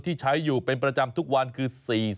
ที่ใช้อยู่เป็นประจำทุกวันคือ๔๐